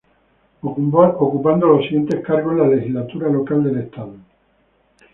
Ocupando los siguientes cargos en la legislatura local del Estado